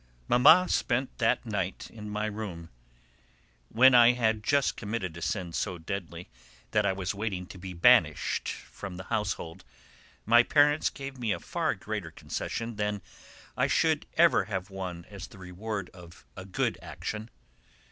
Mamma spent that night in my room: when I had just committed a sin so deadly that I was waiting to be banished from the household, my parents gave me a far greater concession than I should ever have won as the reward of a good action.